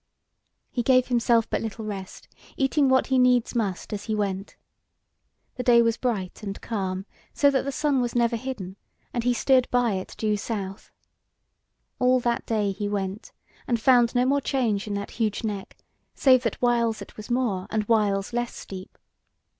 He gave himself but little rest, eating what he needs must as he went. The day was bright and calm, so that the sun was never hidden, and he steered by it due south. All that day he went, and found no more change in that huge neck, save that whiles it was more and whiles less steep.